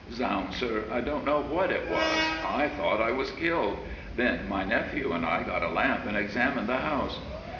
"Zounds, sir, I don't know what it was. I thought I was killed. Then my nephew and I got a lamp and examined the house.